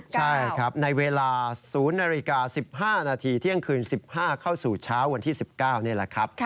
ใช่ครับในเวลา๐นาฬิกา๑๕นาทีเที่ยงคืน๑๕เข้าสู่เช้าวันที่๑๙นี่แหละครับ